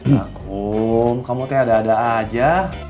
nah kum kamu tuh ada ada aja